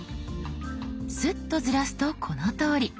スッとずらすとこのとおり。